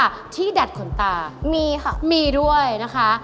อันหนึ่งสองค่ะที่ดัดขนตา